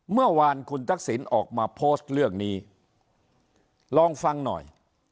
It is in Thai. เมื่อวานคุณทักษิณออกมาโพสต์เรื่องนี้ลองฟังหน่อย